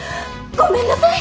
ごめんなさい。